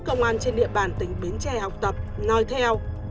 công an trên địa bàn tỉnh bến tre học tập nói theo